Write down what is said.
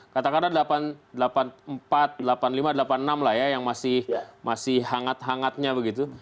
katakanlah delapan puluh empat delapan puluh lima delapan puluh enam lah ya yang masih hangat hangatnya begitu